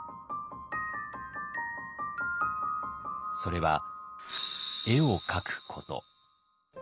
それは絵を描くこと。